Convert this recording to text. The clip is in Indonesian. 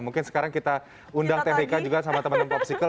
mungkin sekarang kita undang tvk juga sama teman teman popsicle